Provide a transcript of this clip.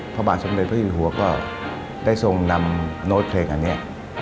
พระบาทสมเด็จพระยุหัวก็ได้ทรงนำโน้ตเพลงอันนี้